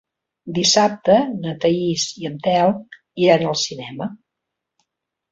Dissabte na Thaís i en Telm iran al cinema.